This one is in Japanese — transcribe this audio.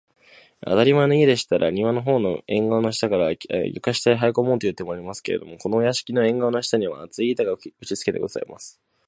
あたりまえの家でしたら、庭のほうの縁がわの下から、床下へはいこむという手もありますけれど、このお座敷の縁がわの下には、厚い板が打ちつけてございます